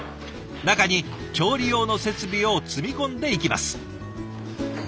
中に調理用の設備を積み込んでいきます。